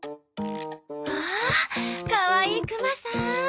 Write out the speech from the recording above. わあかわいいクマさん。